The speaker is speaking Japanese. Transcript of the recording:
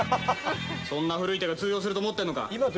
そんな古い手が通用すると思ってるのか？